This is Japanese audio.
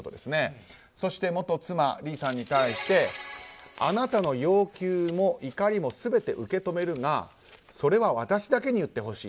そして元妻リーさんに対してあなたの要求も怒りも全て受け止めるがそれは私だけに言ってほしい。